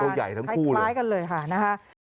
ตัวใหญ่ทั้งคู่เลยคล้ายกันเลยค่ะนะคะ